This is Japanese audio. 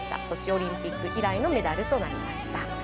ソチオリンピック以来のメダルとなりました。